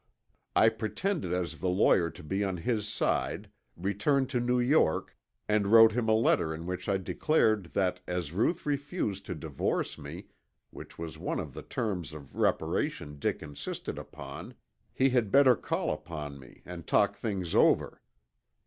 "I pretended as the lawyer to be on his side, returned to New York, and wrote him a letter in which I declared that as Ruth refused to divorce me, which was one of the terms of reparation Dick insisted upon, he had better call upon me and talk things over.